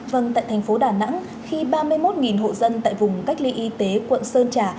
vâng tại thành phố đà nẵng khi ba mươi một hộ dân tại vùng cách ly y tế quận sơn trà